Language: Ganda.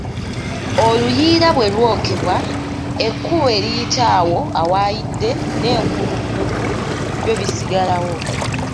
Oluyiira bwe lwokebwa; ekkubo eriyita awo awayidde n'enkulukuku byo bisigalawo.